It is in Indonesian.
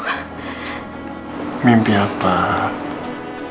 dan mas inu minta reina untuk tinggal di sana sama dia